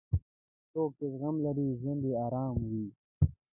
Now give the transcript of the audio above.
څوک چې زغم لري، ژوند یې ارام وي.